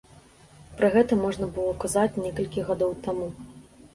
Пра гэта можна было казаць некалькі гадоў таму.